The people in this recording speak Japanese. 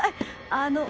あの。